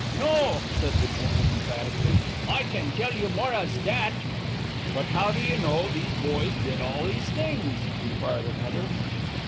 "'No,' said the German, emphatically, 'I can tell you more as dat.' "'But how do you know these boys did all these things,' inquired another.